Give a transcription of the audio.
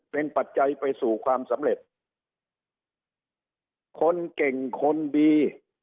เป็นปัจจัยไปสู่ความสำเร็จคนเก่งคนดี